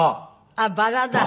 あっバラだ！